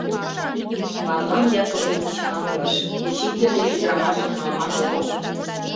Варлам Яковлевич ыҥылыш: учитель деч ӱдырамашым налман огыл...